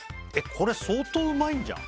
これ相当うまいんじゃん？